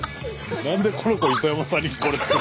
何でこの子が磯山さんにこれ作る。